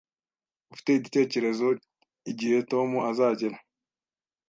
Ufite igitekerezo igihe Tom azagera?